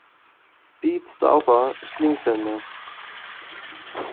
Beat Staufer ist Linkshänder.